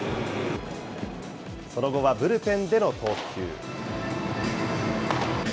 その後はブルペンでの投球。